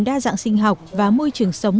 đa dạng sinh học và môi trường sống